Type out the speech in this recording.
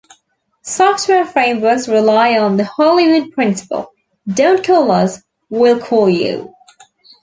Software frameworks rely on the Hollywood Principle: Don't call us, we'll call you.